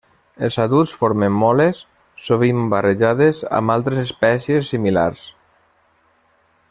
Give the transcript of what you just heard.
Els adults formen moles, sovint barrejades amb altres espècies similars.